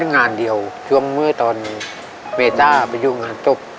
เป็นงานเดียวช่วงเมื้อตอนเมศ่าไปเยี่ยมงานตบ